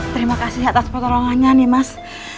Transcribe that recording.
terima kasih atas pertolongannya nih mas